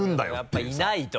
やっぱいないと！